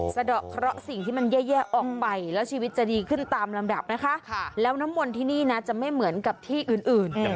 สะดอกเคราะห์สิ่งที่มันแย่ออกไปแล้วชีวิตจะดีขึ้นตามลำดับนะคะแล้วน้ำมนต์ที่นี่นะจะไม่เหมือนกับที่อื่น